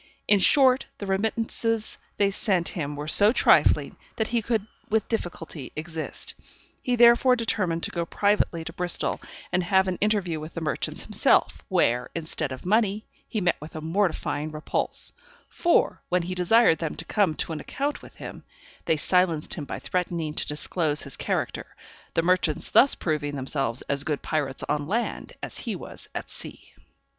In short, the remittances they sent him were so trifling, that he could with difficulty exist. He therefore determined to go privately to Bristol, and have an interview with the merchants himself, where, instead of money, he met with a mortifying repulse; for, when he desired them to come to an account with him, they silenced him by threatening to disclose his character; the merchants thus proving themselves as good pirates on land as he was at sea.